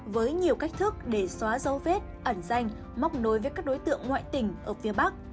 với nhiều cách thức để xóa dấu vết ẩn danh móc nối với các đối tượng ngoại tỉnh ở phía bắc